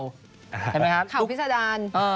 เห็นมั้ยครับเขาพิสดาร